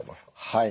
はい。